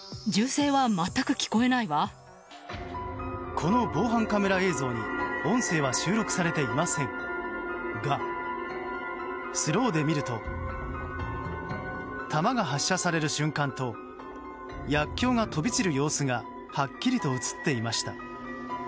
この防犯カメラ映像に音声は収録されていませんがスローで見ると弾が発射される瞬間と薬きょうが飛び散る様子がはっきりと映っていました。